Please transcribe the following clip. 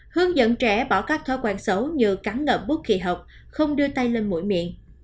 hướng dẫn trẻ bỏ các thói quen xấu như cắn ngập bút kỳ học không đưa tay lên mũi miệng